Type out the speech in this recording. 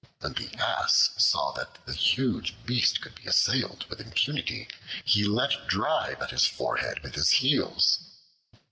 When the Ass saw that the huge beast could be assailed with impunity, he let drive at his forehead with his heels.